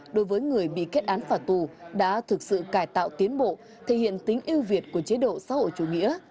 đối với người bị kết án phạt tù đã thực sự cải tạo tiến bộ thể hiện tính yêu việt của chế độ xã hội chủ nghĩa